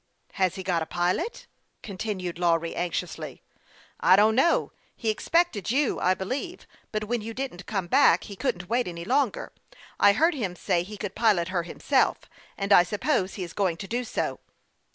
" Has he got a pilot ?" continued Lawry, anx iously. " I don't know ; he expected you, I believe ; but when you didn't come back, he couldn't wait any longer. I heard him say he could pilot her him self, and I suppose he is going to do so."